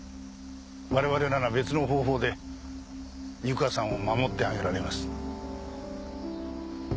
我々なら別の方法で由香さんを守ってあげられます。